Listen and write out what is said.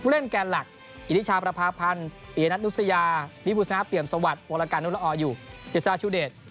เล่นแกนหลักอิฤชาประพาพันธ์อียานัทนุสยาบิพุษณะเปลี่ยมสวัสดิ์วรการุระออยุเจษาชุเดช